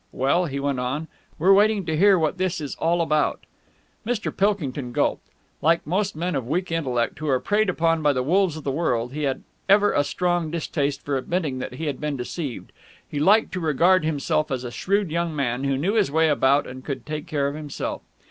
Well," he went on, "we're waiting to hear what this is all about." Mr. Pilkington gulped. Like most men of weak intellect who are preyed on by the wolves of the world, he had ever a strong distaste for admitting that he had been deceived. He liked to regard himself as a shrewd young man who knew his way about and could take care of himself.